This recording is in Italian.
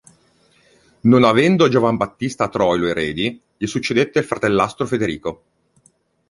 Non avendo Giovanbattista Troilo eredi, gli succedette il fratellastro Federico.